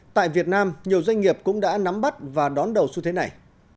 tại việt nam nhiều doanh nghiệp cũng đã nắm bắt và đón đầu xu thế này